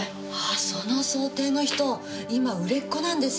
あその装丁の人今売れっ子なんですよ。